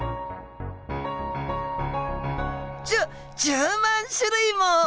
じゅ１０万種類も！